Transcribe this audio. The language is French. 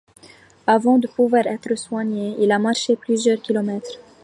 Avant de pouvoir être soigné, il a marché plusieurs km.